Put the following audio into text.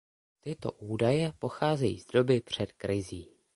Tyto údaje pocházejí z doby před krizí.